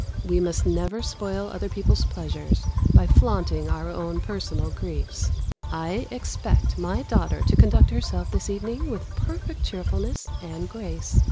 We must never spoil other people's pleasures by flaunting our own personal griefs. I expect my daughter to conduct herself this evening with perfect cheerfulness and grace.